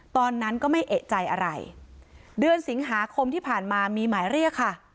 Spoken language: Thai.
ตอนนั้นก็ไม่เอกใจอะไรเดือนสิงหาคมที่ผ่านมามีหมายเรียกค่ะ